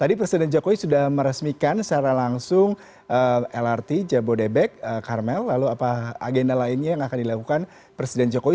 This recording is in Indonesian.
anda kembali bersama kami di launtry